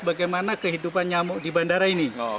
bagaimana kehidupan nyamuk di bandara ini